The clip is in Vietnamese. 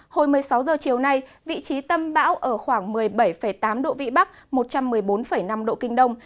hồi một mươi sáu h chiều nay vị trí tâm bão ở khoảng một mươi bảy tám độ vĩ bắc một trăm một mươi bốn năm độ kinh đông